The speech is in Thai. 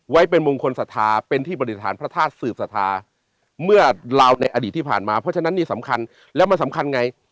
ไว้เป็นมงคลศรัทธาเป็นที่ปฏิฐานพระธาตุสืบสัทธาเมื่อเราในอดีตที่ผ่านมาเพราะฉะนั้นนี่สำคัญแล้วมันสำคัญไง